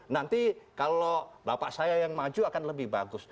nanti kalau bapak saya yang maju akan lebih bagus